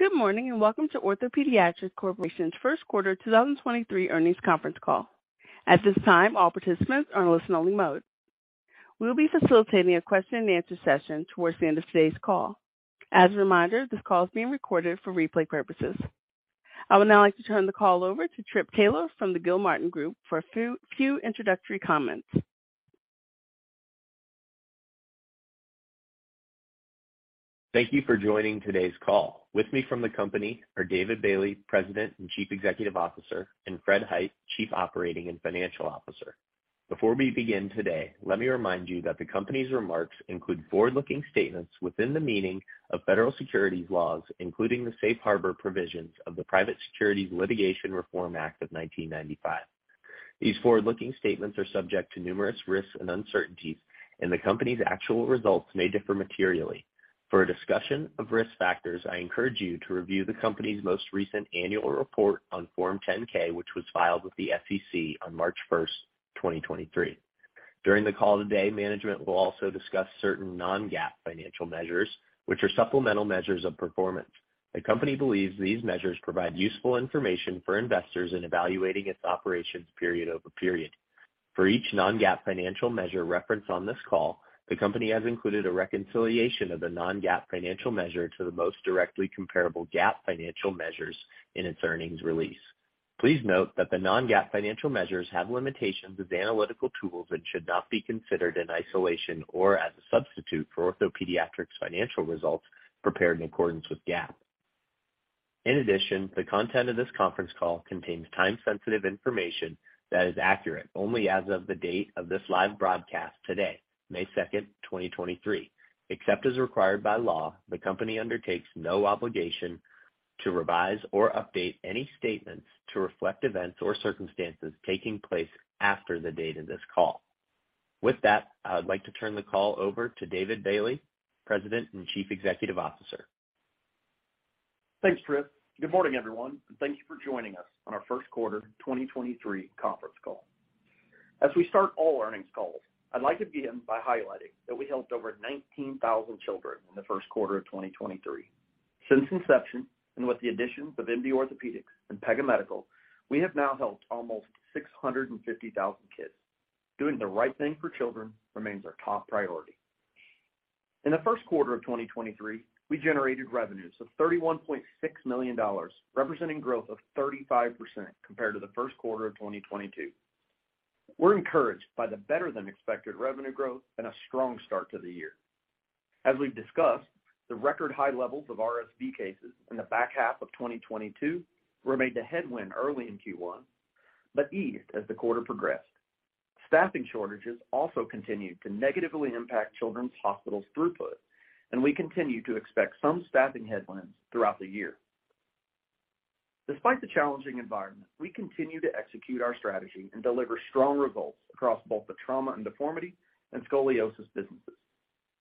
Good morning, and welcome to OrthoPediatrics Corp.'s first quarter 2023 earnings conference call. At this time, all participants are in listen-only mode. We'll be facilitating a question-and-answer session towards the end of today's call. As a reminder, this call is being recorded for replay purposes. I would now like to turn the call over to Trip Taylor from the Gilmartin Group for a few introductory comments. Thank you for joining today's call. With me from the company are David Bailey, President and Chief Executive Officer, and Fred Hite, Chief Operating and Financial Officer. Before we begin today, let me remind you that the company's remarks include forward-looking statements within the meaning of federal securities laws, including the safe harbor provisions of the Private Securities Litigation Reform Act of 1995. These forward-looking statements are subject to numerous risks and uncertainties, and the company's actual results may differ materially. For a discussion of risk factors, I encourage you to review the company's most recent annual report on Form 10-K, which was filed with the SEC on March 1st, 2023. During the call today, management will also discuss certain Non-GAAP financial measures, which are supplemental measures of performance. The company believes these measures provide useful information for investors in evaluating its operations period over period. For each Non-GAAP financial measure referenced on this call, the company has included a reconciliation of the Non-GAAP financial measure to the most directly comparable GAAP financial measures in its earnings release. Please note that the Non-GAAP financial measures have limitations as analytical tools and should not be considered in isolation or as a substitute for OrthoPediatrics' financial results prepared in accordance with GAAP. The content of this conference call contains time-sensitive information that is accurate only as of the date of this live broadcast today, May 2nd, 2023 Except as required by law, the company undertakes no obligation to revise or update any statements to reflect events or circumstances taking place after the date of this call. I would like to turn the call over to David Bailey, President and Chief Executive Officer. Thanks, Trip. Good morning, everyone, and thank you for joining us on our first quarter 2023 conference call. As we start all earnings calls, I'd like to begin by highlighting that we helped over 19,000 children in the first quarter of 2023. Since inception, and with the additions of MD Orthopaedics and Pega Medical, we have now helped almost 650,000 kids. Doing the right thing for children remains our top priority. In the first quarter of 2023, we generated revenues of $31.6 million, representing growth of 35% compared to the first quarter of 2022. We're encouraged by the better-than-expected revenue growth and a strong start to the year. As we've discussed, the record high levels of RSV cases in the back half of 2022 remained a headwind early in Q1, but eased as the quarter progressed. Staffing shortages also continued to negatively impact children's hospitals throughput. We continue to expect some staffing headwinds throughout the year. Despite the challenging environment, we continue to execute our strategy and deliver strong results across both the trauma and deformity and scoliosis businesses.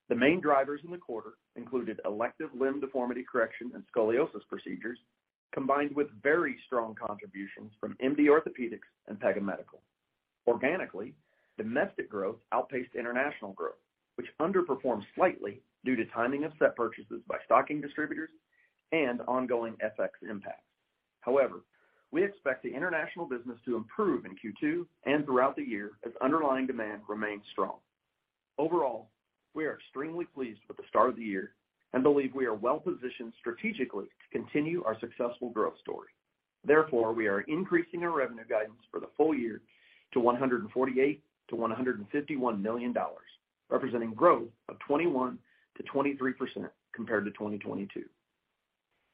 The main drivers in the quarter included elective limb deformity correction and scoliosis procedures, combined with very strong contributions from MD Orthopaedics and Pega Medical. Organically, domestic growth outpaced international growth, which underperformed slightly due to timing of set purchases by stocking distributors and ongoing FX impacts. We expect the international business to improve in Q2 and throughout the year as underlying demand remains strong. We are extremely pleased with the start of the year and believe we are well-positioned strategically to continue our successful growth story. We are increasing our revenue guidance for the full year to $148 million-$151 million, representing growth of 21%-23% compared to 2022.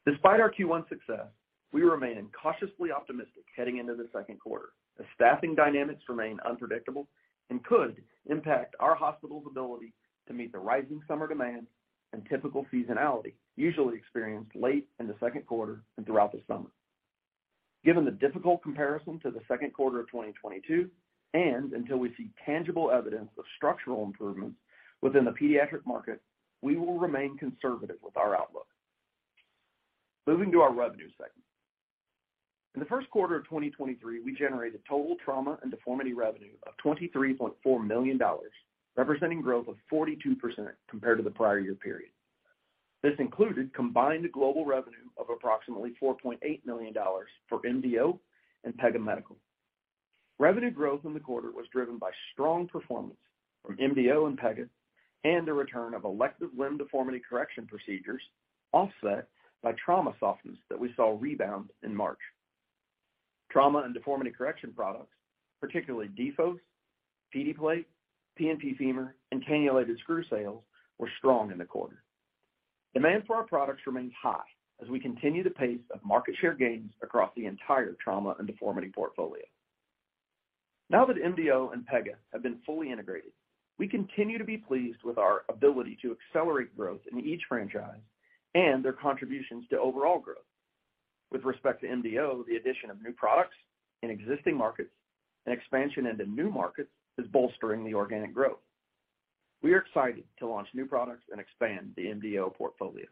Despite our Q1 success, we remain cautiously optimistic heading into the second quarter as staffing dynamics remain unpredictable and could impact our hospitals' ability to meet the rising summer demand and typical seasonality usually experienced late in the second quarter and throughout the summer. Given the difficult comparison to the second quarter of 2022, until we see tangible evidence of structural improvements within the pediatric market, we will remain conservative with our outlook. Moving to our revenue segment. In the first quarter of 2023, we generated total trauma and deformity revenue of $23.4 million, representing growth of 42% compared to the prior year period. This included combined global revenue of approximately $4.8 million for MDO and Pega Medical. Revenue growth in the quarter was driven by strong performance from MDO and Pega and the return of elective limb deformity correction procedures offset by trauma softness that we saw rebound in March. Trauma and deformity correction products, particularly Defoce, PediPlates, PNP Femur, and cannulated screw sales were strong in the quarter. Demand for our products remains high as we continue the pace of market share gains across the entire trauma and deformity portfolio. Now that MDO and Pega have been fully integrated, we continue to be pleased with our ability to accelerate growth in each franchise and their contributions to overall growth. With respect to MDO, the addition of new products in existing markets and expansion into new markets is bolstering the organic growth. We are excited to launch new products and expand the MDO portfolio.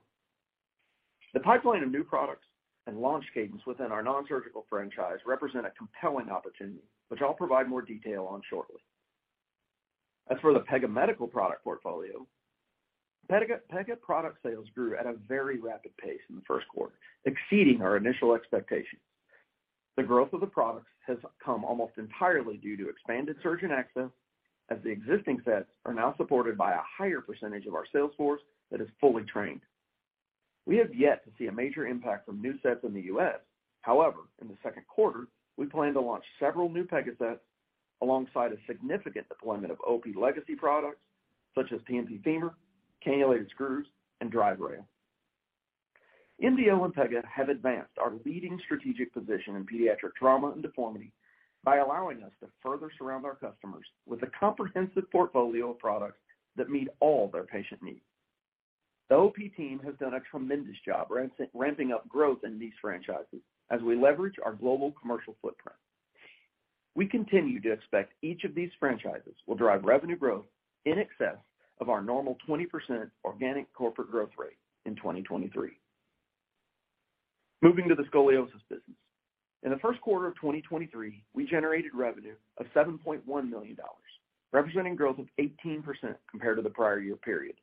The pipeline of new products and launch cadence within our nonsurgical franchise represent a compelling opportunity, which I'll provide more detail on shortly. For the Pega Medical product portfolio, Pega product sales grew at a very rapid pace in the first quarter, exceeding our initial expectations. The growth of the products has come almost entirely due to expanded surgeon access, as the existing sets are now supported by a higher percentage of our sales force that is fully trained. We have yet to see a major impact from new sets in the U.S., however, in the second quarter, we plan to launch several new Pega sets alongside a significant deployment of OP legacy products such as PMP Femur, cannulated screws, and DRIVE Rail. MDO and Pega have advanced our leading strategic position in pediatric trauma and deformity by allowing us to further surround our customers with a comprehensive portfolio of products that meet all their patient needs. The OP team has done a tremendous job ramping up growth in these franchises as we leverage our global commercial footprint. We continue to expect each of these franchises will drive revenue growth in excess of our normal 20% organic corporate growth rate in 2023. Moving to the scoliosis business. In the first quarter of 2023, we generated revenue of $7.1 million, representing growth of 18% compared to the prior year period,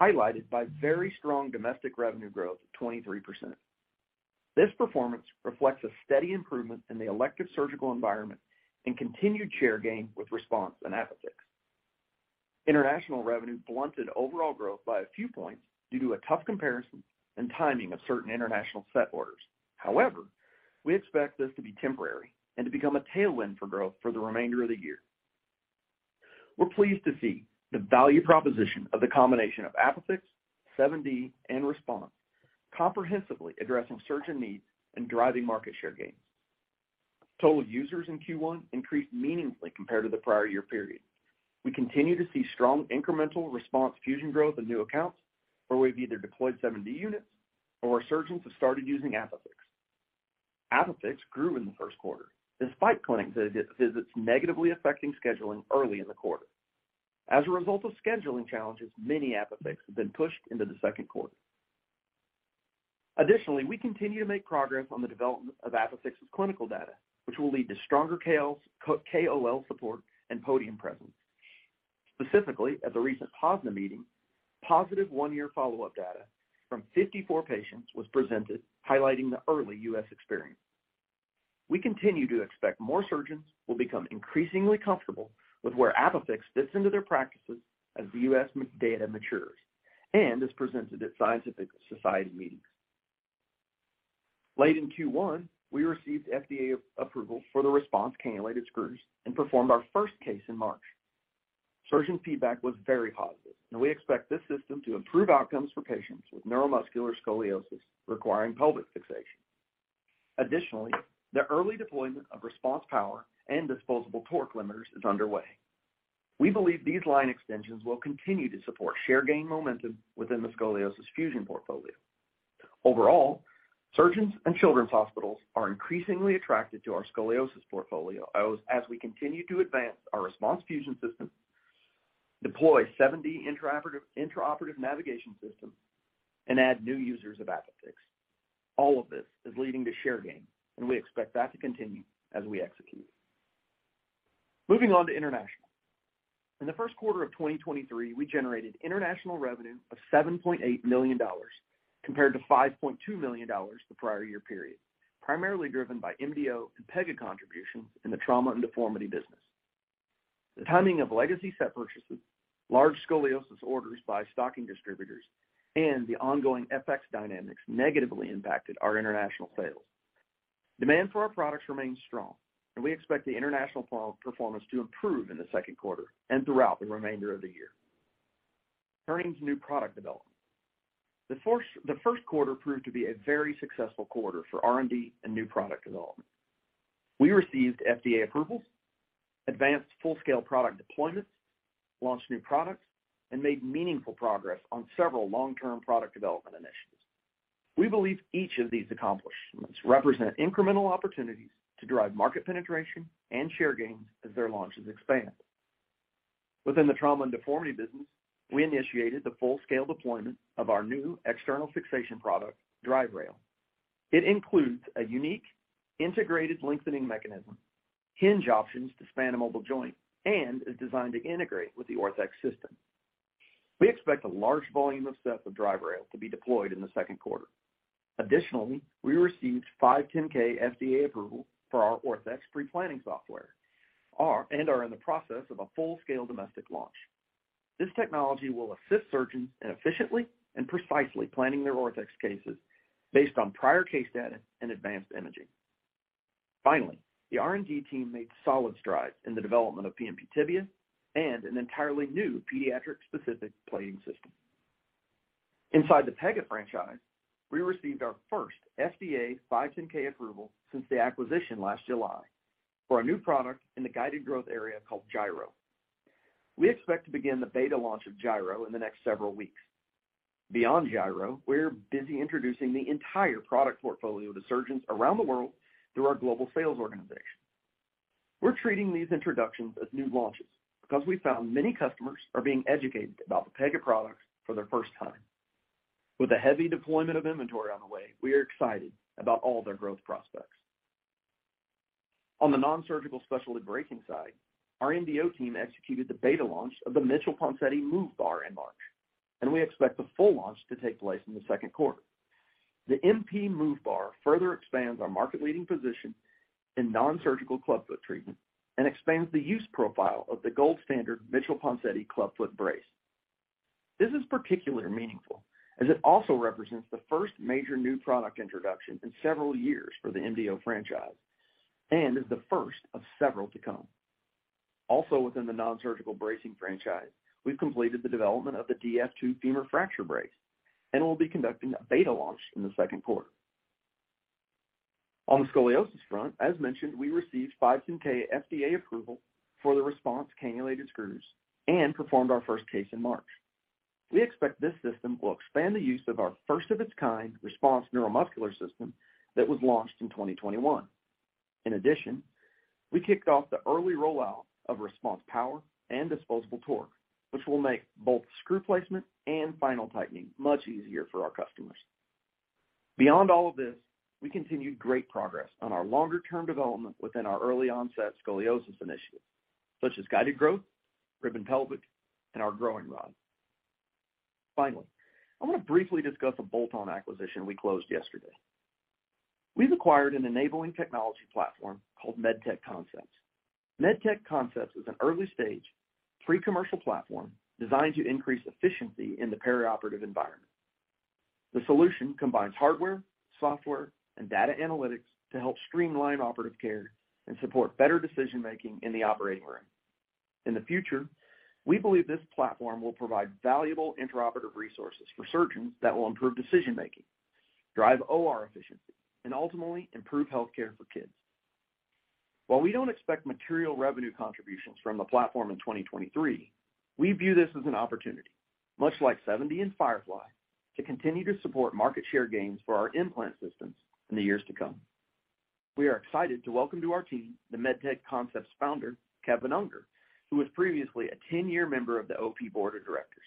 highlighted by very strong domestic revenue growth of 23%. This performance reflects a steady improvement in the elective surgical environment and continued share gain with RESPONSE and ApiFix. International revenue blunted overall growth by a few points due to a tough comparison and timing of certain international set orders. We expect this to be temporary and to become a tailwind for growth for the remainder of the year. We're pleased to see the value proposition of the combination of ApiFix, 7D, and RESPONSE comprehensively addressing surgeon needs and driving market share gains. Total users in Q1 increased meaningfully compared to the prior year period. We continue to see strong incremental RESPONSE fusion growth in new accounts where we've either deployed 7D units or where surgeons have started using ApiFix. ApiFix grew in the first quarter despite clinic visits negatively affecting scheduling early in the quarter. As a result of scheduling challenges, many ApiFix have been pushed into the second quarter. We continue to make progress on the development of ApiFix's clinical data, which will lead to stronger KOL support and podium presence. At the recent POSNA meeting, positive one year follow-up data from 54 patients was presented, highlighting the early U.S. experience. We continue to expect more surgeons will become increasingly comfortable with where ApiFix fits into their practices as the U.S. data matures and is presented at scientific society meetings. Late in Q1, we received FDA approval for the RESPONSE cannulated screws and performed our first case in March. Surgeon feedback was very positive. We expect this system to improve outcomes for patients with neuromuscular scoliosis requiring pelvic fixation. The early deployment of RESPONSE Power and disposable torque limiters is underway. We believe these line extensions will continue to support share gain momentum within the scoliosis fusion portfolio. Overall, surgeons and children's hospitals are increasingly attracted to our RESPONSE Fusion system, deploy 7D intraoperative navigation system, and add new users of ApiFix. All of this is leading to share gain. We expect that to continue as we execute. Moving on to international. In the first quarter of 2023, we generated international revenue of $7.8 million compared to $5.2 million the prior year period, primarily driven by MDO and Pega contributions in the trauma and deformity business. The timing of legacy set purchases, large scoliosis orders by stocking distributors, and the ongoing FX dynamics negatively impacted our international sales. Demand for our products remains strong. We expect the international performance to improve in the second quarter and throughout the remainder of the year. Turning to new product development. The first quarter proved to be a very successful quarter for R&D and new product development. We received FDA approvals, advanced full-scale product deployments, launched new products, and made meaningful progress on several long-term product development initiatives. We believe each of these accomplishments represent incremental opportunities to drive market penetration and share gains as their launches expand. Within the trauma and deformity business, we initiated the full-scale deployment of our new external fixation product, Drive Rail. It includes a unique integrated lengthening mechanism, hinge options to span a mobile joint, and is designed to integrate with the ORTHEX system. We expect a large volume of sets of Drive Rail to be deployed in the second quarter. Additionally, we received 510K FDA approval for our ORTHEX pre-planning software and are in the process of a full-scale domestic launch. This technology will assist surgeons in efficiently and precisely planning their ORTHEX cases based on prior case data and advanced imaging. Finally, the R&D team made solid strides in the development of PMP Tibia and an entirely new pediatric-specific plating system. Inside the Pega franchise, we received our first FDA 510K approval since the acquisition last July for a new product in the guided growth area called GIRO. We expect to begin the beta launch of GIRO in the next several weeks. Beyond GIRO, we're busy introducing the entire product portfolio to surgeons around the world through our global sales organization. We're treating these introductions as new launches because we found many customers are being educated about the Pega products for their first time. With a heavy deployment of inventory on the way, we are excited about all their growth prospects. On the nonsurgical specialty bracing side, our MDO team executed the beta launch of the Mitchell Ponseti Move Bar in March, and we expect the full launch to take place in the second quarter. The MP Move Bar further expands our market-leading position in nonsurgical clubfoot treatment and expands the use profile of the gold standard Mitchell Ponseti clubfoot brace. This is particularly meaningful as it also represents the first major new product introduction in several years for the MDO franchise and is the first of several to come. Also within the nonsurgical bracing franchise, we've completed the development of the DF2 femur fracture brace and will be conducting a beta launch in the second quarter. On the scoliosis front, as mentioned, we received 510(k) FDA approval for the RESPONSE cannulated screws and performed our first case in March. We expect this system will expand the use of our first of its kind RESPONSE Neuromuscular System that was launched in 2021. In addition, we kicked off the early rollout of RESPONSE Power and disposable torque, which will make both screw placement and final tightening much easier for our customers. Beyond all of this, we continued great progress on our longer-term development within our early onset scoliosis initiative, such as guided growth, ribbon pelvic, and our growing rod. Finally, I want to briefly discuss a bolt-on acquisition we closed yesterday. We've acquired an enabling technology platform called Medtech Concepts. Medtech Concepts is an early-stage pre-commercial platform designed to increase efficiency in the perioperative environment. The solution combines hardware, software, and data analytics to help streamline operative care and support better decision making in the operating room. In the future, we believe this platform will provide valuable intraoperative resources for surgeons that will improve decision making, drive OR efficiency, and ultimately improve healthcare for kids. We don't expect material revenue contributions from the platform in 2023, we view this as an opportunity, much like 7D and FIREFLY, to continue to support market share gains for our implant systems in the years to come. We are excited to welcome to our team the Medtech Concepts founder, Kevin Unger, who was previously a 10-year member of the OP board of directors.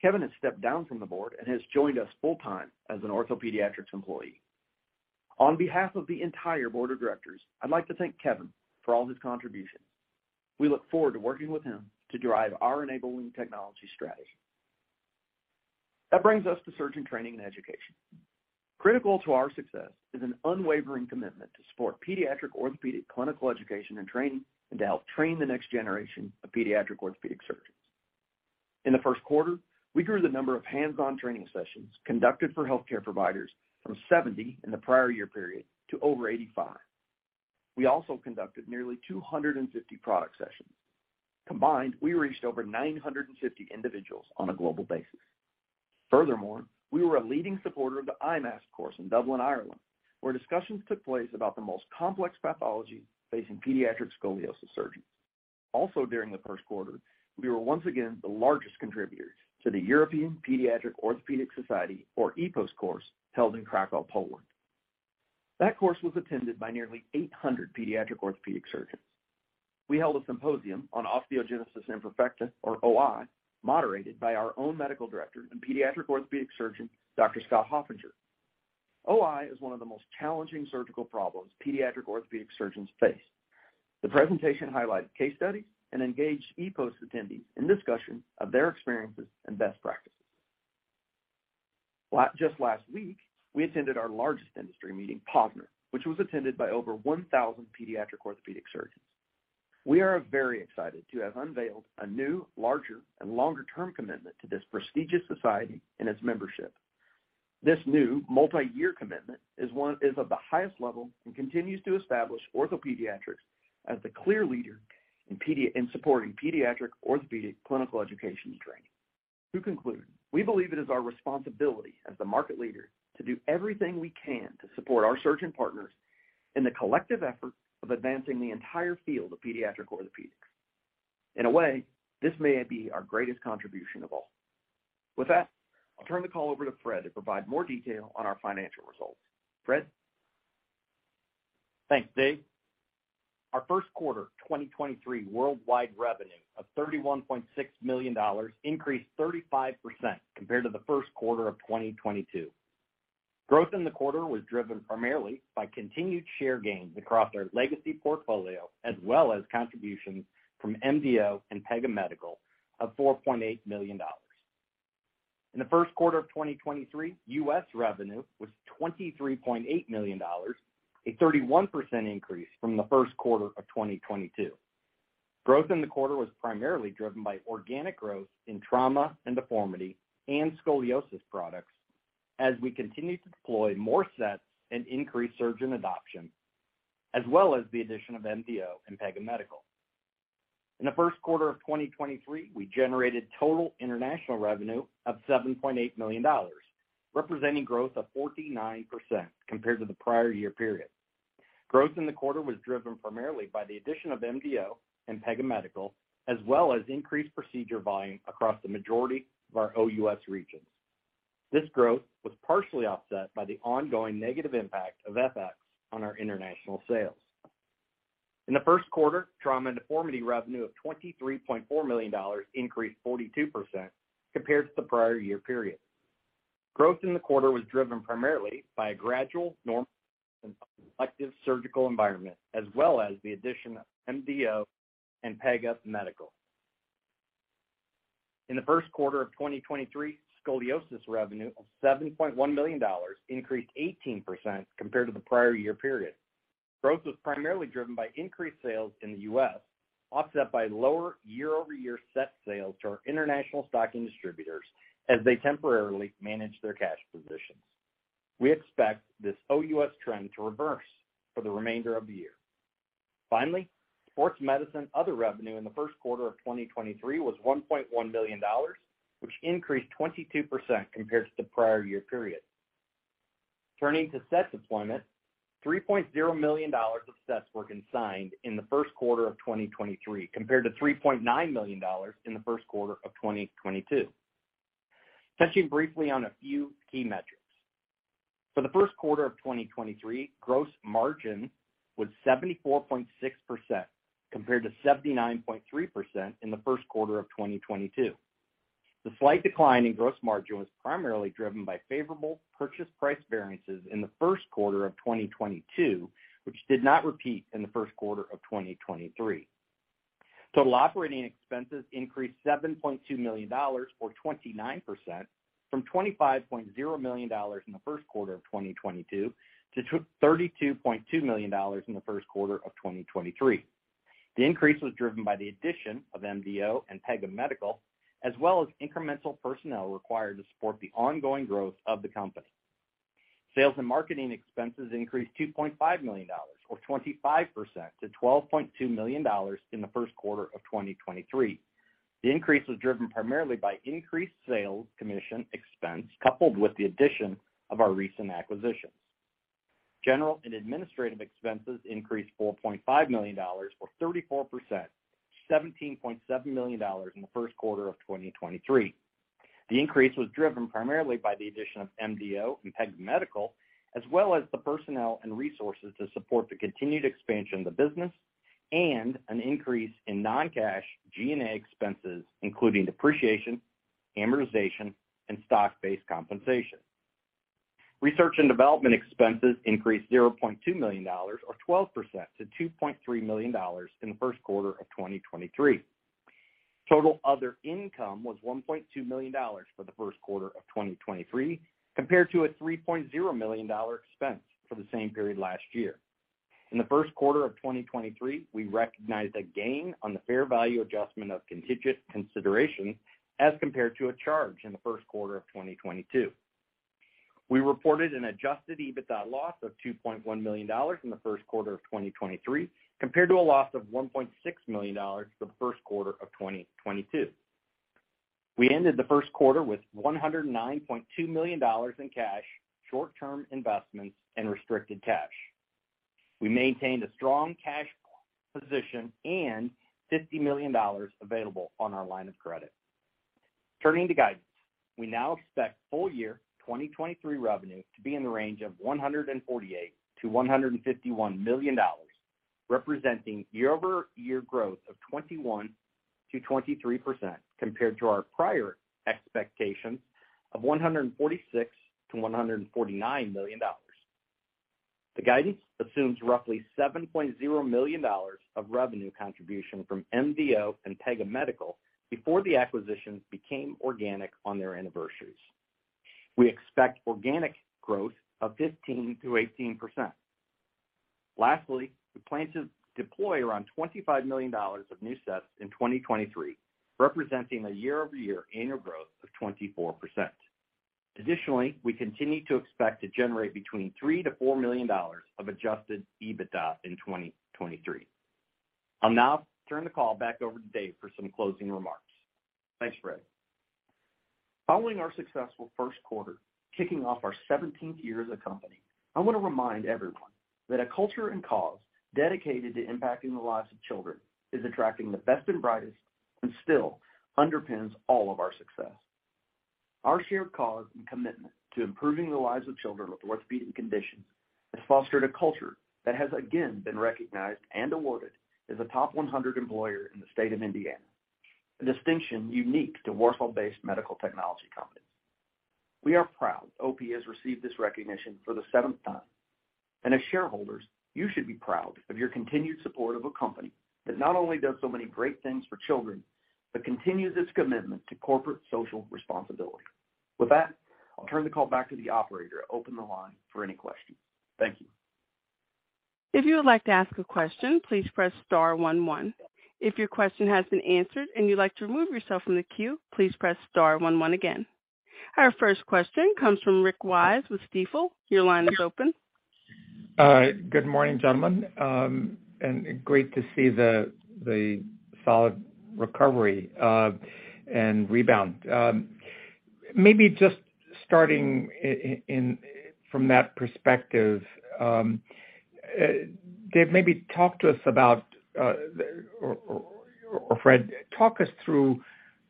Kevin has stepped down from the board and has joined us full-time as an OrthoPediatrics employee. On behalf of the entire board of directors, I'd like to thank Kevin for all his contributions. We look forward to working with him to drive our enabling technology strategy. That brings us to surgeon training and education. Critical to our success is an unwavering commitment to support pediatric orthopedic clinical education and training and to help train the next generation of pediatric orthopedic surgeons. In the first quarter, we grew the number of hands-on training sessions conducted for healthcare providers from 70 in the prior year period to over 85. We also conducted nearly 250 product sessions. Combined, we reached over 950 individuals on a global basis. Furthermore, we were a leading supporter of the IMASS course in Dublin, Ireland, where discussions took place about the most complex pathology facing pediatric scoliosis surgeons. Also during the first quarter, we were once again the largest contributors to the European Paediatric Orthopaedic Society, or EPOS course, held in Kraków, Poland. That course was attended by nearly 800 pediatric orthopedic surgeons. We held a symposium on osteogenesis imperfecta, or OI, moderated by our own medical director and pediatric orthopedic surgeon, Dr. Scott Hoffinger. OI is one of the most challenging surgical problems pediatric orthopedic surgeons face. The presentation highlighted case studies and engaged EPOS attendees in discussion of their experiences and best practices. Just last week, we attended our largest industry meeting, POSNA, which was attended by over 1,000 pediatric orthopedic surgeons. We are very excited to have unveiled a new, larger, and longer-term commitment to this prestigious society and its membership. This new multiyear commitment is of the highest level and continues to establish OrthoPediatrics as the clear leader in supporting pediatric orthopedic clinical education and training. We believe it is our responsibility as the market leader to do everything we can to support our surgeon partners in the collective effort of advancing the entire field of pediatric orthopedics. In a way, this may be our greatest contribution of all. With that, I'll turn the call over to Fred to provide more detail on our financial results. Fred? Thanks, Dave. Our first quarter 2023 worldwide revenue of $31.6 million increased 35% compared to the first quarter of 2022. Growth in the quarter was driven primarily by continued share gains across our legacy portfolio as well as contributions from MDO and Pega Medical of $4.8 million. In the first quarter of 2023, U.S. revenue was $23.8 million, a 31% increase from the first quarter of 2022. Growth in the quarter was primarily driven by organic growth in trauma and deformity and scoliosis products as we continue to deploy more sets and increase surgeon adoption, as well as the addition of MDO and Pega Medical. In the first quarter of 2023, we generated total international revenue of $7.8 million, representing growth of 49% compared to the prior year period. Growth in the quarter was driven primarily by the addition of MDO and Pega Medical, as well as increased procedure volume across the majority of our OUS regions. This growth was partially offset by the ongoing negative impact of FX on our international sales. In the first quarter, trauma and deformity revenue of $23.4 million increased 42% compared to the prior year period. Growth in the quarter was driven primarily by a gradual norm selective surgical environment, as well as the addition of MDO and Pega Medical. In the first quarter of 2023, scoliosis revenue of $7.1 million increased 18% compared to the prior year period. Growth was primarily driven by increased sales in the U.S., offset by lower year-over-year set sales to our international stocking distributors as they temporarily manage their cash positions. We expect this OUS trend to reverse for the remainder of the year. Sports medicine other revenue in the first quarter of 2023 was $1.1 million, which increased 22% compared to the prior year period. Turning to set deployment, $3.0 million of sets were consigned in the first quarter of 2023, compared to $3.9 million in the first quarter of 2022. Touching briefly on a few key metrics. For the first quarter of 2023, gross margin was 74.6%, compared to 79.3% in the first quarter of 2022. The slight decline in gross margin was primarily driven by favorable purchase price variances in the first quarter of 2022, which did not repeat in the first quarter of 2023. Total operating expenses increased $7.2 million or 29% from $25.0 million in the first quarter of 2022 to $32.2 million in the first quarter of 2023. The increase was driven by the addition of MDO and Pega Medical, as well as incremental personnel required to support the ongoing growth of the company. Sales and marketing expenses increased $2.5 million, or 25% to $12.2 million in the first quarter of 2023. The increase was driven primarily by increased sales commission expense, coupled with the addition of our recent acquisitions. General and administrative expenses increased $4.5 million, or 34% to $17.7 million in the first quarter of 2023. The increase was driven primarily by the addition of MDO and Pega Medical, as well as the personnel and resources to support the continued expansion of the business and an increase in non-cash G&A expenses, including depreciation, amortization, and stock-based compensation. Research and development expenses increased $0.2 million or 12% to $2.3 million in the first quarter of 2023. Total other income was $1.2 million for the first quarter of 2023, compared to a $3.0 million expense for the same period last year. In the first quarter of 2023, we recognized a gain on the fair value adjustment of contingent consideration as compared to a charge in the first quarter of 2022. We reported an adjusted EBITDA loss of $2.1 million in the first quarter of 2023, compared to a loss of $1.6 million for the first quarter of 2022. We ended the first quarter with $109.2 million in cash, short-term investments, and restricted cash. We maintained a strong cash position and $50 million available on our line of credit. Turning to guidance, we now expect full year 2023 revenue to be in the range of $148 million-$151 million, representing year-over-year growth of 21%-23% compared to our prior expectations of $146 million-$149 million. The guidance assumes roughly $7.0 million of revenue contribution from MDO and Pega Medical before the acquisitions became organic on their anniversaries. We expect organic growth of 15%-18%. Lastly, we plan to deploy around $25 million of new sets in 2023, representing a year-over-year annual growth of 24%. Additionally, we continue to expect to generate between $3 million-$4 million of adjusted EBITDA in 2023. I'll now turn the call back over to Dave for some closing remarks. Thanks, Fred. Following our successful first quarter, kicking off our 17th year as a company, I want to remind everyone that a culture and cause dedicated to impacting the lives of children is attracting the best and brightest and still underpins all of our success. Our shared cause and commitment to improving the lives of children with orthopedic conditions has fostered a culture that has again been recognized and awarded as a top 100 employer in the state of Indiana, a distinction unique to Warsaw-based medical technology companies. We are proud OP has received this recognition for the 7th time. As shareholders, you should be proud of your continued support of a company that not only does so many great things for children, but continues its commitment to corporate social responsibility. With that, I'll turn the call back to the operator to open the line for any questions. Thank you. If you would like to ask a question, please press star one one. If your question has been answered and you'd like to remove yourself from the queue, please press star one one again. Our first question comes from Rick Wise with Stifel. Your line is open. Good morning, gentlemen, and great to see the solid recovery and rebound. Maybe just starting from that perspective, Dave, maybe talk to us about or Fred, talk us through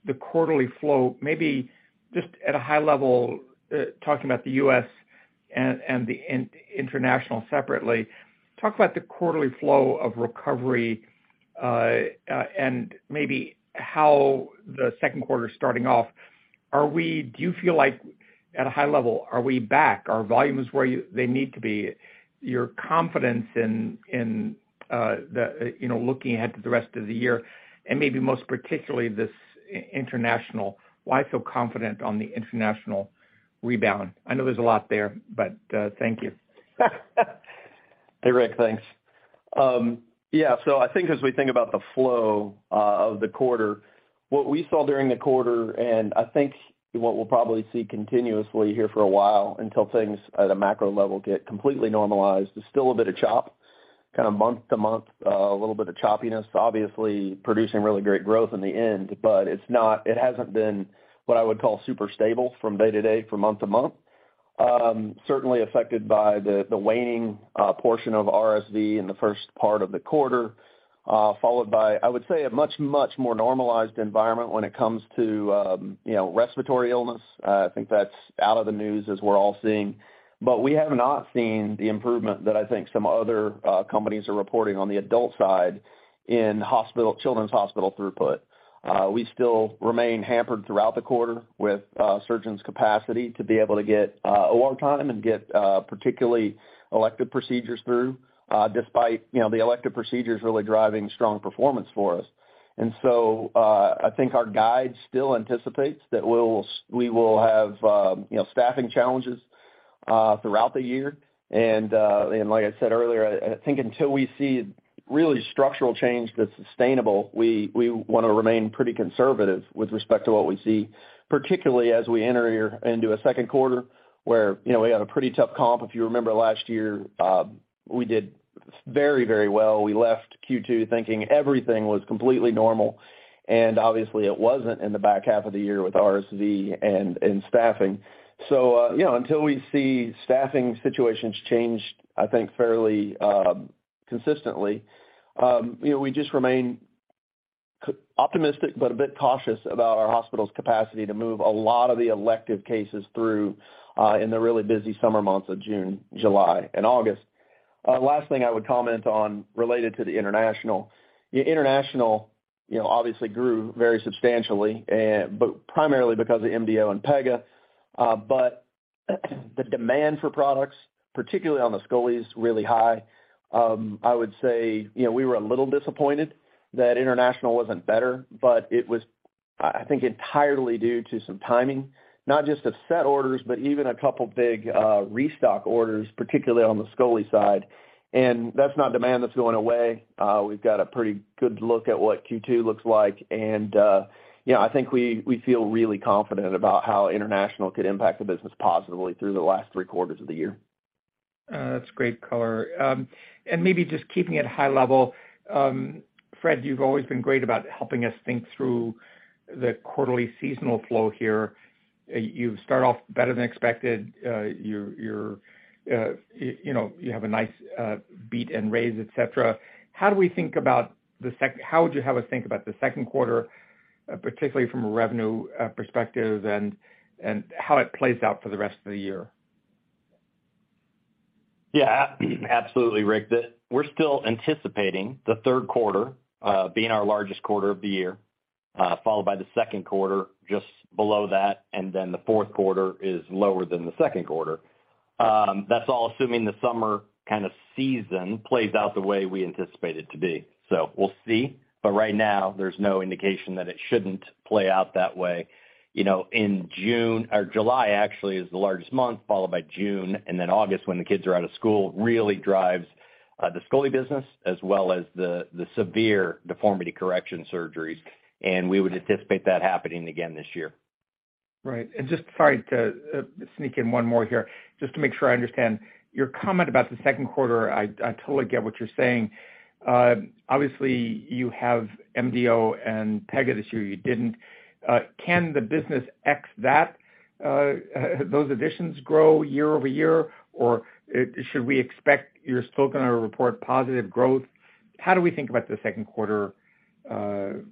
the quarterly flow, maybe just at a high level, talking about the U.S. and the international separately, talk about the quarterly flow of recovery, and maybe how the second quarter is starting off. Do you feel like at a high level, are we back? Are volumes where you, they need to be? Your confidence in the, you know, looking ahead to the rest of the year, and maybe most particularly this international, why so confident on the international rebound? I know there's a lot there, but thank you. Hey, Rick. Thanks. Yeah. I think as we think about the flow of the quarter, what we saw during the quarter, and I think what we'll probably see continuously here for a while until things at a macro level get completely normalized, there's still a bit of chop, kind of month to month, a little bit of choppiness, obviously producing really great growth in the end. But it hasn't been what I would call super stable from day to day, from month to month. Certainly affected by the waning portion of RSV in the first part of the quarter, followed by, I would say, a much, much more normalized environment when it comes to, you know, respiratory illness. I think that's out of the news as we're all seeing. We have not seen the improvement that I think some other companies are reporting on the adult side in children's hospital throughput. We still remain hampered throughout the quarter with surgeons' capacity to be able to get OR time and get particularly elective procedures through, despite, you know, the elective procedures really driving strong performance for us. I think our guide still anticipates that we will have, you know, staffing challenges throughout the year. Like I said earlier, I think until we see really structural change that's sustainable, we wanna remain pretty conservative with respect to what we see, particularly as we enter here into a second quarter where, you know, we have a pretty tough comp. If you remember last year, we did very, very well. We left Q2 thinking everything was completely normal. Obviously it wasn't in the back half of the year with RSV and staffing. You know, until we see staffing situations change, I think fairly consistently, you know, we just remain optimistic but a bit cautious about our hospital's capacity to move a lot of the elective cases through in the really busy summer months of June, July, and August. Last thing I would comment on related to the international. International, you know, obviously grew very substantially and but primarily because of MDO and Pega. But the demand for products, particularly on the Skulli, really high. I would say, you know, we were a little disappointed that international wasn't better, but it was, I think, entirely due to some timing, not just of set orders, but even a couple big restock orders, particularly on the Skulli side. That's not demand that's going away. We've got a pretty good look at what Q2 looks like. You know, I think we feel really confident about how international could impact the business positively through the last 3 quarters of the year. That's great color. Maybe just keeping it high level, Fred, you've always been great about helping us think through the quarterly seasonal flow here. You've started off better than expected. Your, you know, you have a nice beat and raise, et cetera. How would you have us think about the second quarter, particularly from a revenue perspective and how it plays out for the rest of the year? Absolutely, Rick. We're still anticipating the third quarter being our largest quarter of the year, followed by the second quarter just below that, the fourth quarter is lower than the second quarter. That's all assuming the summer kind of season plays out the way we anticipate it to be. We'll see. Right now, there's no indication that it shouldn't play out that way. You know, in June or July actually is the largest month, followed by June and then August when the kids are out of school, really drives the Skulli business as well as the severe deformity correction surgeries, we would anticipate that happening again this year. Right. Just sorry to sneak in one more here, just to make sure I understand. Your comment about the second quarter, I totally get what you're saying. Obviously, you have MDO and Pega this year, you didn't. Can the business ex that, those additions grow year-over-year? Or, should we expect you're still gonna report positive growth? How do we think about the second quarter, you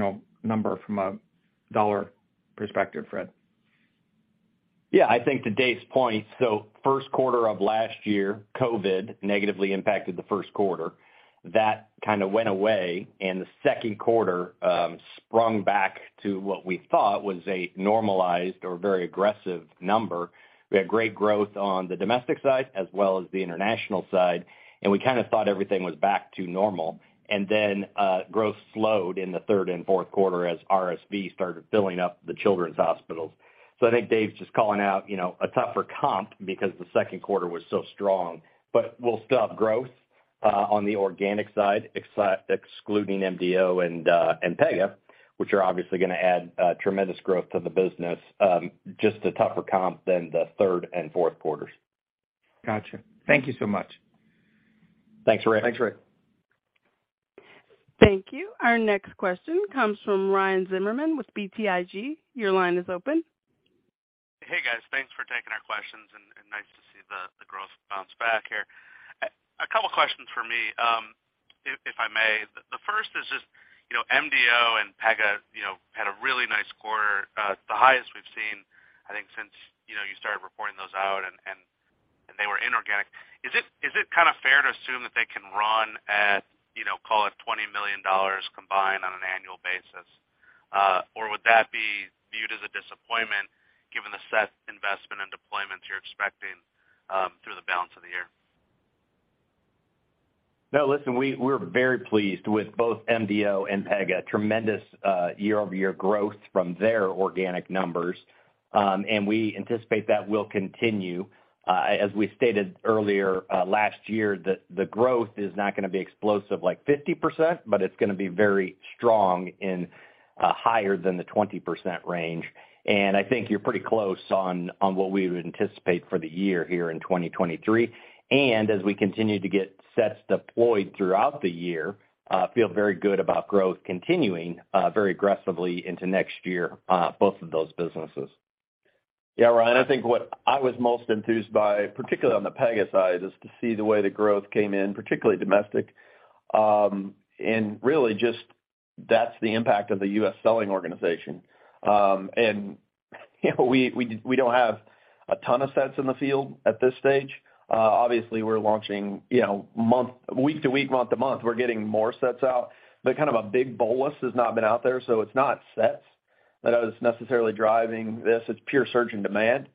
know, number from a dollar perspective, Fred? I think to Dave's point, first quarter of last year, COVID negatively impacted the first quarter. That kind of went away. The second quarter sprung back to what we thought was a normalized or very aggressive number. We had great growth on the domestic side as well as the international side. We kind of thought everything was back to normal. Growth slowed in the third and fourth quarter as RSV started filling up the children's hospitals. I think Dave's just calling out, you know, a tougher comp because the second quarter was so strong. We'll still have growth on the organic side, excluding MDO and Pega, which are obviously gonna add tremendous growth to the business, just a tougher comp than the third and fourth quarters. Gotcha. Thank you so much. Thanks, Rick. Thanks, Rick. Thank you. Our next question comes from Ryan Zimmerman with BTIG. Your line is open. Hey, guys. Thanks for taking our questions and nice to see the growth bounce back here. A couple questions for me, if I may. The first is just, you know, MDO and PEGA, you know, had a really nice quarter, the highest we've seen, I think, since, you know, you started reporting those out and they were inorganic. Is it kind of fair to assume that they can run at, you know, call it $20 million combined on an annual basis? Would that be viewed as a disappointment given the set investment and deployments you're expecting through the balance of the year? No, listen, we're very pleased with both MDO and Pega. Tremendous year-over-year growth from their organic numbers. We anticipate that will continue. As we stated earlier, last year that the growth is not gonna be explosive like 50%, but it's gonna be very strong in higher than the 20% range. I think you're pretty close on what we would anticipate for the year here in 2023. As we continue to get sets deployed throughout the year, feel very good about growth continuing very aggressively into next year, both of those businesses. Yeah, Ryan, I think what I was most enthused by, particularly on the Pega side, is to see the way the growth came in, particularly domestic, and really just that's the impact of the U.S. selling organization. You know, we don't have a ton of sets in the field at this stage. Obviously we're launching, you know, week to week, month to month, we're getting more sets out, but kind of a big bolus has not been out there, so it's not sets that is necessarily driving this. It's pure surgeon demand.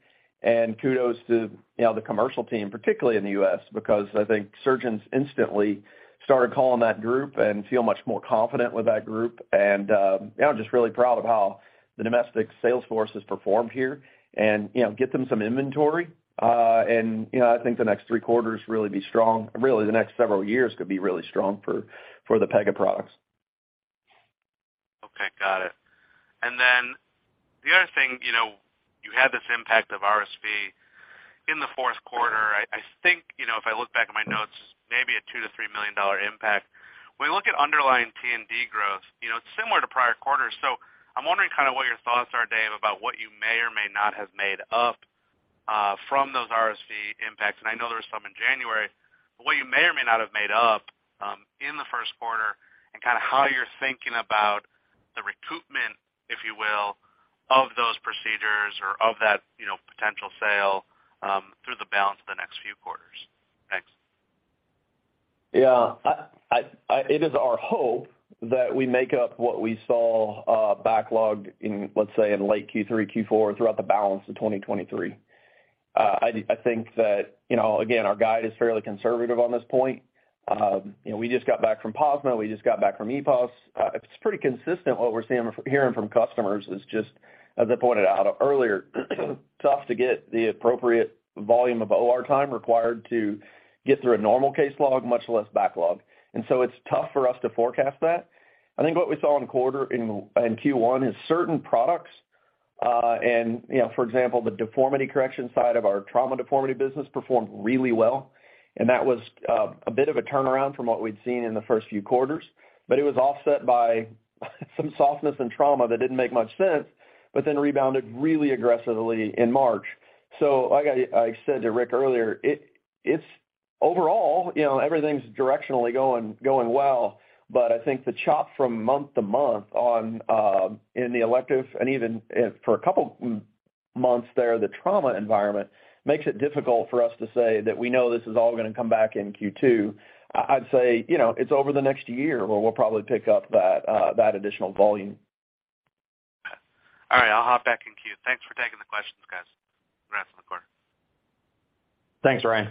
Kudos to, you know, the commercial team, particularly in the U.S., because I think surgeons instantly started calling that group and feel much more confident with that group and, yeah, I'm just really proud of how the domestic sales force has performed here and, you know, get them some inventory. You know, I think the next three quarters really be strong. Really, the next several years could be really strong for the PEGA products. Okay, got it. The other thing, you know, you had this impact of RSV in the fourth quarter. I think, you know, if I look back at my notes, maybe a $2 million-$3 million impact. When you look at underlying T&D growth, you know, it's similar to prior quarters. I'm wondering kind of what your thoughts are, Dave, about what you may or may not have made up from those RSV impacts, and I know there were some in January. What you may or may not have made up in the first quarter and kinda how you're thinking about the recoupment, if you will, of those procedures or of that, you know, potential sale, through the balance of the next few quarters. Thanks. Yeah. It is our hope that we make up what we saw backlogged in, let's say, in late Q3, Q4, throughout the balance of 2023. I think that, you know, again, our guide is fairly conservative on this point. You know, we just got back from POSNA, we just got back from EPOS. It's pretty consistent what we're hearing from customers is just, as I pointed out earlier, tough to get the appropriate volume of OR time required to get through a normal case log, much less backlog. It's tough for us to forecast that. I think what we saw in Q1 is certain products, and, you know, for example, the deformity correction side of our trauma deformity business performed really well, and that was a bit of a turnaround from what we'd seen in the first few quarters. It was offset by some softness and trauma that didn't make much sense, but then rebounded really aggressively in March. Like I said to Rick earlier, it's overall, you know, everything's directionally going well, but I think the chop from month to month on, in the elective and even, for a couple months there, the trauma environment makes it difficult for us to say that we know this is all gonna come back in Q2. I'd say, you know, it's over the next year where we'll probably pick up that additional volume. All right, I'll hop back in queue. Thanks for taking the questions, guys. Congrats on the quarter. Thanks, Ryan.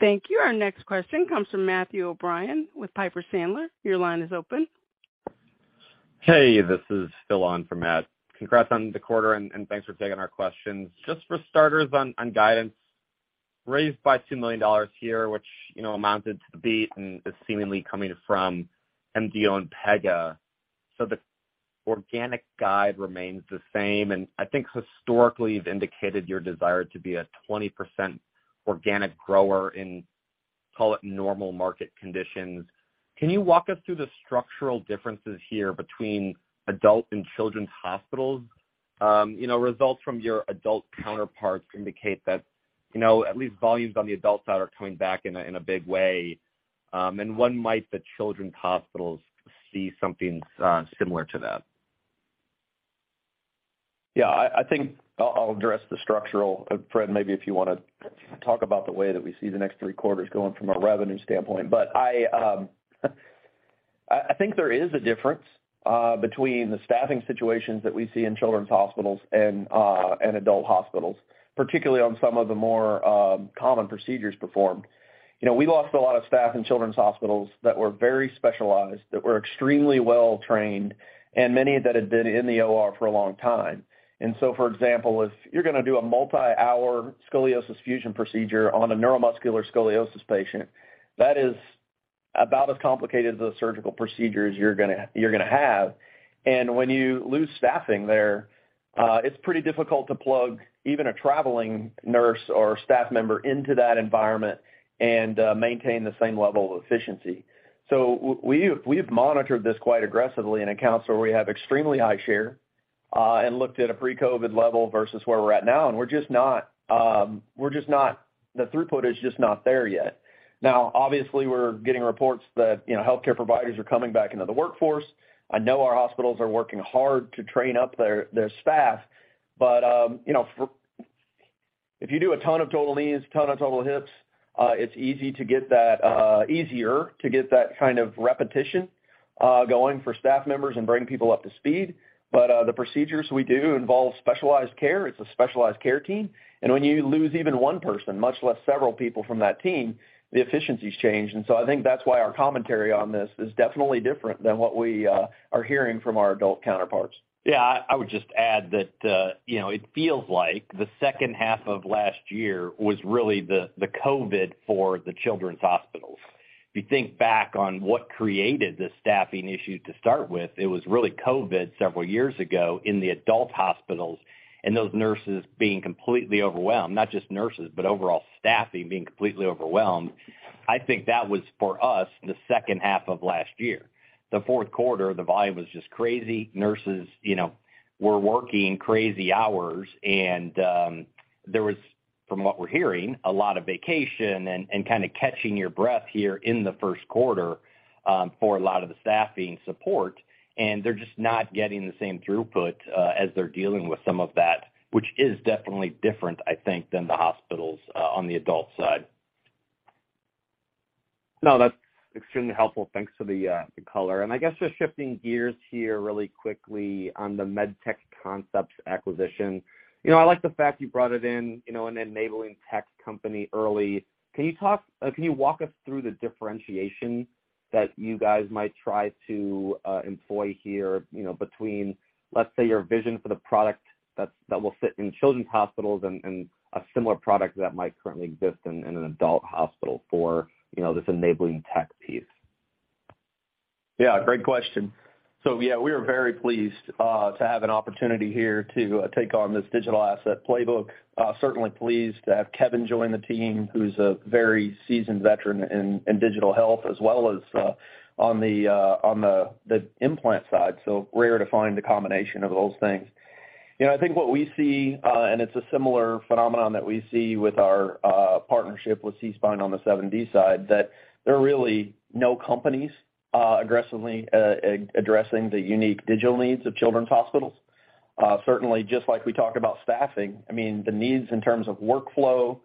Thank you. Our next question comes from Matthew OBrien with Piper Sandler. Your line is open. Hey, this is Phil on for Matt. Congrats on the quarter and thanks for taking our questions. Just for starters on guidance, raised by $2 million here, which, you know, amounted to the beat and is seemingly coming from MDO and PEGA. The organic guide remains the same. I think historically you've indicated your desire to be a 20% organic grower in, call it, normal market conditions. Can you walk us through the structural differences here between adult and children's hospitals? You know, results from your adult counterparts indicate that, you know, at least volumes on the adult side are coming back in a big way, and one might the children's hospitals see something similar to that. Yeah, I think I'll address the structural. Fred, maybe if you wanna talk about the way that we see the next 3 quarters going from a revenue standpoint. I think there is a difference between the staffing situations that we see in children's hospitals and adult hospitals, particularly on some of the more common procedures performed. You know, we lost a lot of staff in children's hospitals that were very specialized, that were extremely well-trained, and many that had been in the OR for a long time. For example, if you're gonna do a multi-hour scoliosis fusion procedure on a neuromuscular scoliosis patient, that is about as complicated as a surgical procedure as you're gonna have. When you lose staffing there, it's pretty difficult to plug even a traveling nurse or staff member into that environment and maintain the same level of efficiency. We've monitored this quite aggressively in accounts where we have extremely high share and looked at a pre-COVID level versus where we're at now, and we're just not the throughput is just not there yet. Obviously, we're getting reports that, you know, healthcare providers are coming back into the workforce. I know our hospitals are working hard to train up their staff. You know, if you do a ton of total knees, a ton of total hips, it's easier to get that kind of repetition going for staff members and bring people up to speed. The procedures we do involve specialized care. It's a specialized care team. When you lose even one person, much less several people from that team, the efficiencies change. I think that's why our commentary on this is definitely different than what we are hearing from our adult counterparts. Yeah. I would just add that, you know, it feels like the second half of last year was really the COVID for the children's hospitals. If you think back on what created the staffing issue to start with, it was really COVID several years ago in the adult hospitals and those nurses being completely overwhelmed, not just nurses, but overall staffing being completely overwhelmed. I think that was, for us, the second half of last year. The fourth quarter, the volume was just crazy. Nurses, you know, were working crazy hours and there was, from what we're hearing, a lot of vacation and kind of catching your breath here in the first quarter, for a lot of the staffing support. They're just not getting the same throughput, as they're dealing with some of that, which is definitely different, I think, than the hospitals, on the adult side. No, that's extremely helpful. Thanks for the color. I guess just shifting gears here really quickly on the Medtech Concepts acquisition. You know, I like the fact you brought it in, you know, an enabling tech company early. Can you walk us through the differentiation that you guys might try to employ here, you know, between, let's say, your vision for the product that will fit in children's hospitals and a similar product that might currently exist in an adult hospital for, you know, this enabling tech piece? Yeah, great question. Yeah, we are very pleased to have an opportunity here to take on this digital asset Playbook. Certainly pleased to have Kevin join the team, who's a very seasoned veteran in digital health as well as on the implant side. Rare to find a combination of those things. You know, I think what we see, and it's a similar phenomenon that we see with our partnership with SeaSpine on the 7D side, that there are really no companies aggressively addressing the unique digital needs of children's hospitals. Certainly just like we talked about staffing, I mean, the needs in terms of workflow,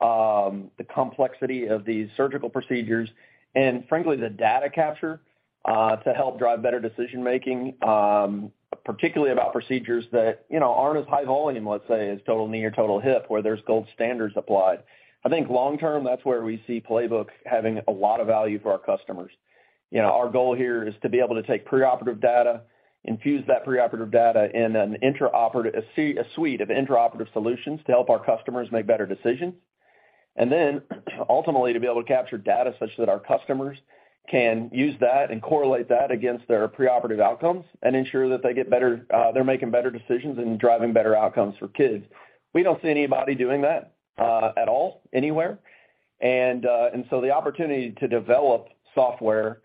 the complexity of these surgical procedures and frankly, the data capture, to help drive better decision-making, particularly about procedures that, you know, aren't as high volume, let's say, as total knee or total hip, where there's gold standards applied. I think long-term, that's where we see Playbook having a lot of value for our customers. You know, our goal here is to be able to take preoperative data, infuse that preoperative data in an intraoperative a suite of intraoperative solutions to help our customers make better decisions. Ultimately, to be able to capture data such that our customers can use that and correlate that against their preoperative outcomes and ensure that they get better, they're making better decisions and driving better outcomes for kids. We don't see anybody doing that at all anywhere. The opportunity to develop software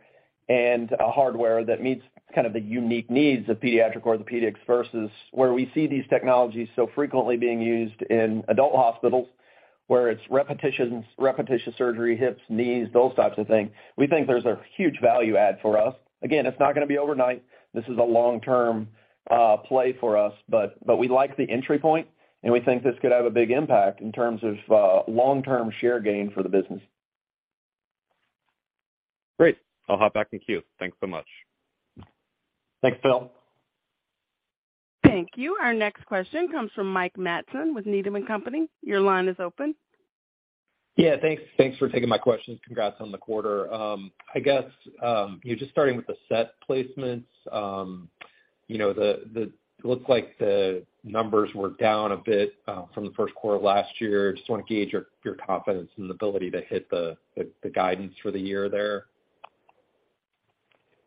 and a hardware that meets kind of the unique needs of pediatric orthopedics versus where we see these technologies so frequently being used in adult hospitals, where it's repetitions, repetition surgery, hips, knees, those types of things. We think there's a huge value add for us. Again, it's not gonna be overnight. This is a long-term play for us, but we like the entry point, and we think this could have a big impact in terms of long-term share gain for the business. Great. I'll hop back in queue. Thanks so much. Thanks, Phil. Thank you. Our next question comes from Mike Matson with Needham & Company. Your line is open. Thanks. Thanks for taking my questions. Congrats on the quarter. I guess, you know, just starting with the set placements, you know, the looks like the numbers were down a bit from the 1st quarter of last year. Just wanna gauge your confidence in the ability to hit the guidance for the year there.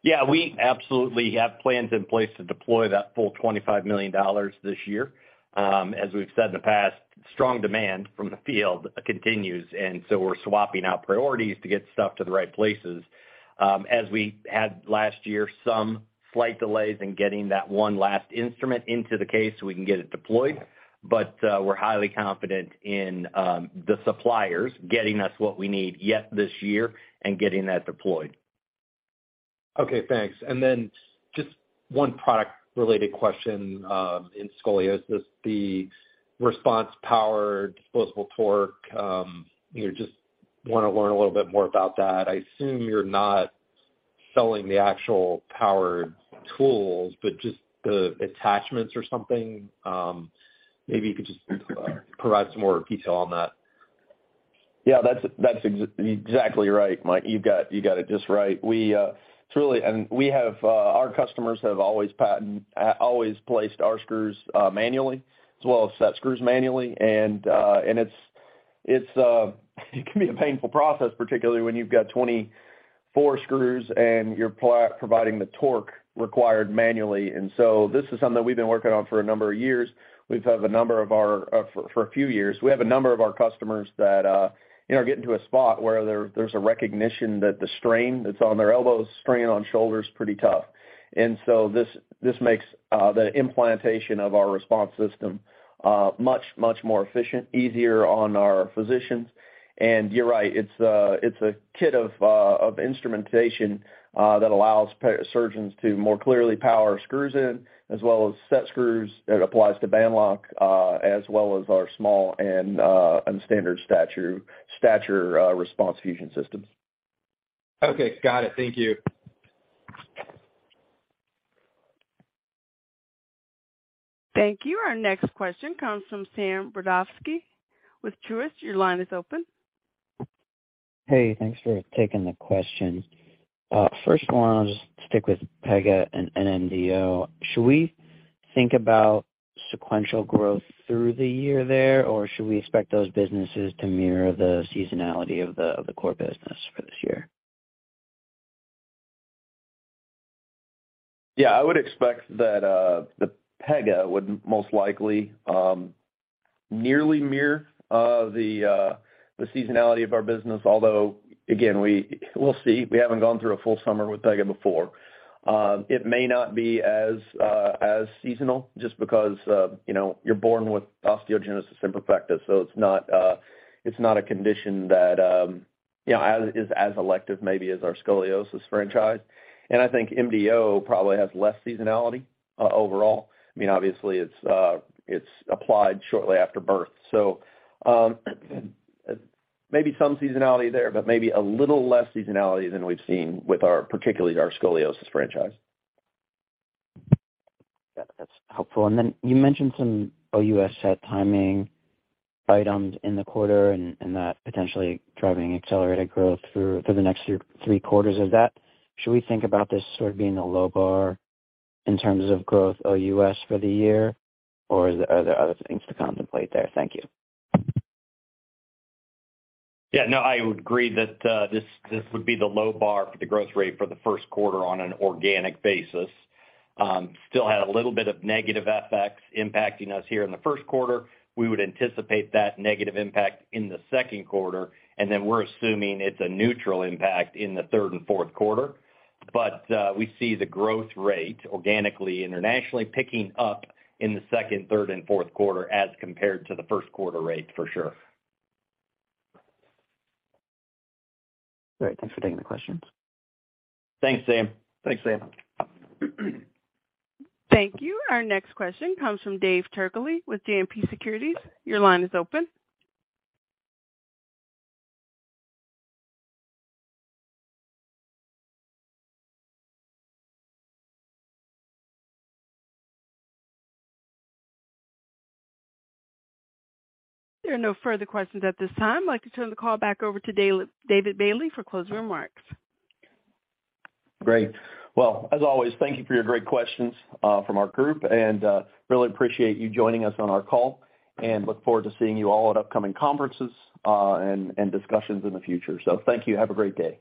Yeah, we absolutely have plans in place to deploy that full $25 million this year. As we've said in the past, strong demand from the field continues, and so we're swapping out priorities to get stuff to the right places. As we had last year, some slight delays in getting that one last instrument into the case so we can get it deployed. We're highly confident in the suppliers getting us what we need yet this year and getting that deployed. Okay, thanks. Just one product related question in scoliosis. The RESPONSE Power disposable torque, you know, just want to learn a little bit more about that. I assume you're not selling the actual powered tools, but just the attachments or something. Maybe you could just provide some more detail on that. Yeah, that's exactly right, Mike. You've got it just right. We have our customers have always placed our screws manually as well as set screws manually. It's a painful process, particularly when you've got 24 screws and you're providing the torque required manually. This is something we've been working on for a number of years. We've had a number of our for a few years. We have a number of our customers that, you know, get into a spot where there's a recognition that the strain that's on their elbows, strain on shoulders, pretty tough. This makes the implantation of our response system much more efficient, easier on our physicians. You're right, it's a kit of instrumentation that allows surgeons to more clearly power screws in as well as set screws. It applies to BandLoc as well as our small and standard stature response fusion systems. Okay, got it. Thank you. Thank you. Our next question comes from Samuel Brodovsky with Truist. Your line is open. Hey, thanks for taking the question. First one, I'll just stick with Pega and MDO. Should we think about sequential growth through the year there, or should we expect those businesses to mirror the seasonality of the core business for this year? Yeah, I would expect that, the Pega would most likely, nearly mirror the seasonality of our business. Although again, we'll see. We haven't gone through a full summer with Pega before. It may not be as seasonal just because, you know, you're born with osteogenesis imperfecta, so it's not, it's not a condition that, you know, as is as elective maybe as our scoliosis franchise. I think MDO probably has less seasonality overall. I mean, obviously it's applied shortly after birth. Maybe some seasonality there, but maybe a little less seasonality than we've seen with our, particularly our scoliosis franchise. Yeah, that's helpful. Then you mentioned some OUS set timing items in the quarter and that potentially driving accelerated growth through the next 3 quarters of that. Should we think about this sort of being a low bar in terms of growth OUS for the year, or is there other things to contemplate there? Thank you. Yeah, no, I would agree that this would be the low bar for the growth rate for the first quarter on an organic basis. Still had a little bit of negative FX impacting us here in the first quarter. We would anticipate that negative impact in the second quarter, and then we're assuming it's a neutral impact in the third and fourth quarter. We see the growth rate organically, internationally picking up in the second, third and fourth quarter as compared to the first quarter rates for sure. All right. Thanks for taking the questions. Thanks, Sam. Thanks, Sam. Thank you. Our next question comes from Dave Turkaly with JMP Securities. Your line is open. There are no further questions at this time. I'd like to turn the call back over to David Bailey for closing remarks. Great. Well, as always, thank you for your great questions, from our group and, really appreciate you joining us on our call and look forward to seeing you all at upcoming conferences, and discussions in the future. Thank you. Have a great day.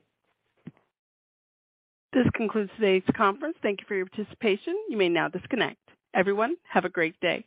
This concludes today's conference. Thank you for your participation. You may now disconnect. Everyone, have a great day.